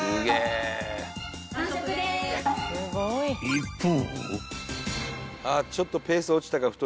［一方］